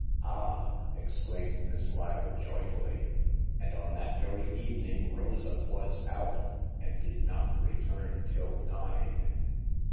*'Ah !'' exclaimed Miss Lyle, joyfully —and on that very evening Rosa was out, and did not return till nine